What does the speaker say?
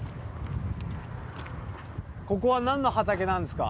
ここはなんの畑なんですか？